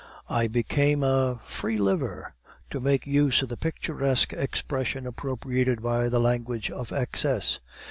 "I became a 'free liver,' to make use of the picturesque expression appropriated by the language of excess.